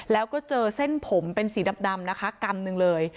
แล้วก็เจอเส้นผมเป็นสีดำนะคะกำหนึ่งเลย